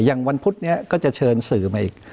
อย่างวันพุธเนี่ยก็จะเชิญสื่อมาอีก